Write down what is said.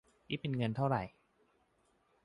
นี่เป็นเงินเท่าไหร่